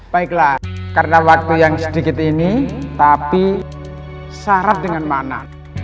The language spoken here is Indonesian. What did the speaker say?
baiklah karena waktu yang sedikit ini tapi syarat dengan mana